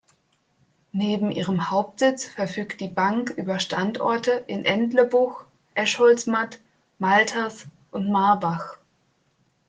Neben ihrem Hauptsitz verfügt die Bank über Standorte in Entlebuch, Escholzmatt, Malters und Marbach.